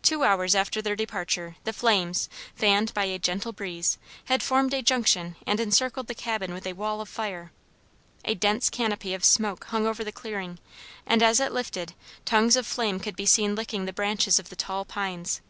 Two hours after their departure, the flames, fanned by a gentle breeze, had formed a junction and encircled the cabin with a wall of fire. A dense canopy of smoke hung over the clearing, and as it lifted, tongues of flame could be seen licking the branches of the tall pines.